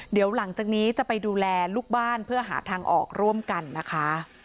เดี๋ยวหลังจากนี้จะไปดูแลลูกบ้านเพื่อหาทางออกร่วมกันนะคะ